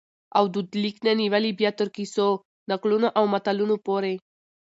او دود لیک نه نیولي بیا تر کیسو ، نکلو او متلونو پوري